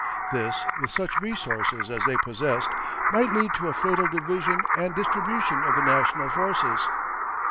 This, with such resources as they possessed, might lead to a fatal division and distribution of the national forces.